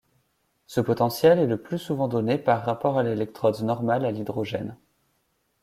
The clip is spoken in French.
Ce potentiel est le plus souvent donné par rapport à l'électrode normale à hydrogène.